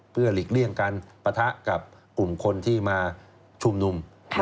เพื่อหลีกเลี่ยงการปะทะกับกลุ่มคนที่มาชุมนุม